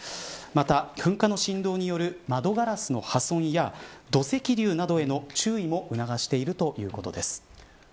また、噴火の振動による窓ガラスの破損や土石流などへの注意を促しているということです。